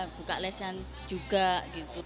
buka lesen juga gitu